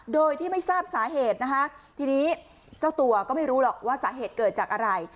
โดยที่ไม่ทราบสาเหตุนะคะทีนี้เจ้าตัวก็ไม่รู้หรอกว่าสาเหตุเกิดจากอะไร